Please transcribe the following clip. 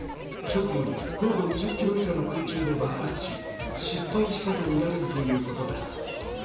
直後に高度２０キロ以下の空中で爆発し、失敗したとみられるということです。